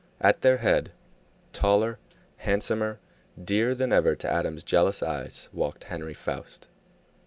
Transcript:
At their head, taller, handsomer, dearer than ever to Adam's jealous eyes, walked Henry Foust.